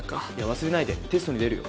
忘れないでテストに出るよ。